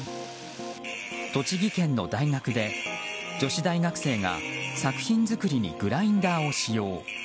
栃木県の大学で女子大学生が作品作りにグラインダーを使用。